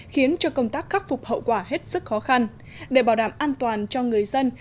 khiến cho công tác khắc phục hậu quả hết sức khó khăn để bảo đảm an toàn cho người dân